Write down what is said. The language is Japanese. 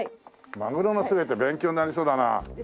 『マグロのすべて』勉強になりそうだな。